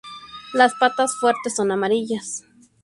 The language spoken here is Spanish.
Las patas, fuertes, son amarillas.